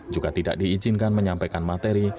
juga tidak diizinkan menyampaikan materi